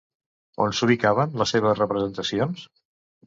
On s'ubicaven les seves representacions?